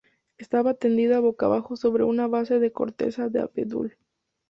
Estaba tendida boca abajo sobre una base de corteza de abedul.